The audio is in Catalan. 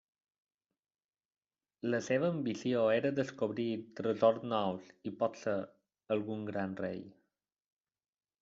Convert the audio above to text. La seva ambició era descobrir tresors nous i potser algun gran rei.